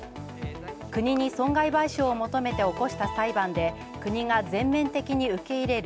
国に損害賠償を求めて起こした裁判で国が全面的に受け入れる。